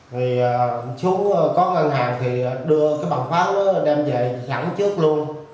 thì xuống có ngân hàng thì đưa cái bằng pháo đó đem về dẫn trước luôn